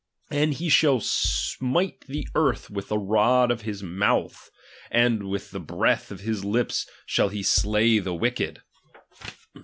And he shall smite the earth with the rod of his mouth, and with the breath of his lips shall he slay the wicked.